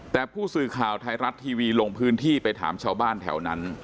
แต่ผู้สื่อข่าวไทยรัฐทีวีลงพื้นที่ไปถามชาวบ้านแถวนั้น